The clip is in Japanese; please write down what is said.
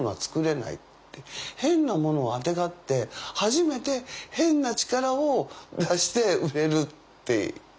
「変なものをあてがって初めて変な力を出して売れる」って。